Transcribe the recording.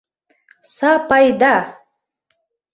Сапайда!